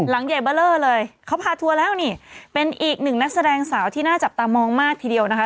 ใหญ่เบอร์เลอร์เลยเขาพาทัวร์แล้วนี่เป็นอีกหนึ่งนักแสดงสาวที่น่าจับตามองมากทีเดียวนะคะ